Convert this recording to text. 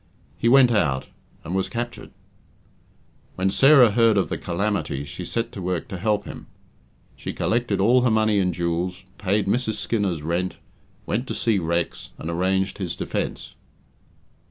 He went out and was captured. When Sarah heard of the calamity she set to work to help him. She collected all her money and jewels, paid Mrs. Skinner's rent, went to see Rex, and arranged his defence.